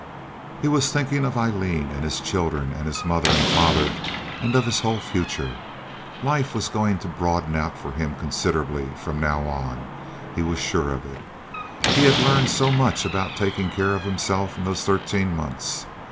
He was thinking of Aileen and his children and his mother and father and of his whole future. Life was going to broaden out for him considerably from now on, he was sure of it. He had learned so much about taking care of himself in those thirteen months.